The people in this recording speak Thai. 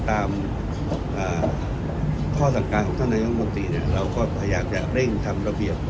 ตามข้อสั่งการของท่านนายกมนตรีเราก็พยายามจะเร่งทำระเบียบ